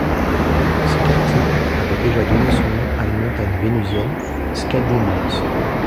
Skathi avait déjà donné son nom à une montagne vénusienne, Skadi Mons.